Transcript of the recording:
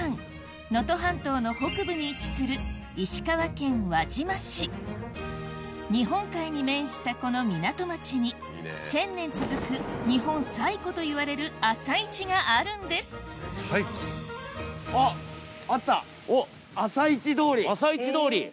能登半島の北部に位置する日本海に面したこの港町に１０００年続く日本最古といわれる朝市があるんですあっあった。